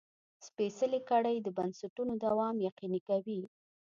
سپېڅلې کړۍ د بنسټونو دوام یقیني کوي.